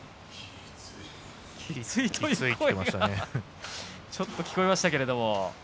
きついという声がちょっと聞こえましたけれども。